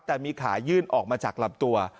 แต่มีขายื่นออกมาจากลำตัว